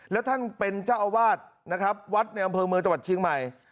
แล้วท่านเป็นเจ้าอาวาสนะครับวัดในอำเภอเมืองจังหวัดเชียงใหม่